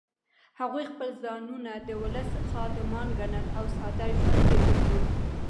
هغوی خپل ځانونه د ولس خادمان ګڼل او ساده ژوند یې درلود.